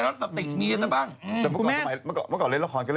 จริงหรอ